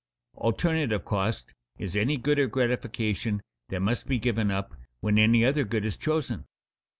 Alternative cost is any good or gratification that must be given up when any other good is chosen.